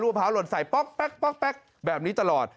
รั่วพร้าวหล่นใส่ป๊อกป๊อกป๊อกป๊อกแบบนี้ตลอด